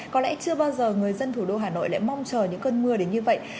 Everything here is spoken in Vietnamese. có lẽ chưa bao giờ người dân thủ đô hà nội lại mong chờ những cơn mưa đến như vậy